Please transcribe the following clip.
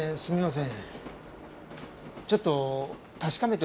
すみません。